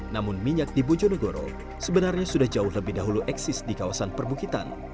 namun minyak di bojonegoro sebenarnya sudah jauh lebih dahulu eksis di kawasan perbukitan